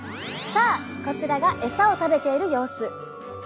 さあこちらがエサを食べている様子。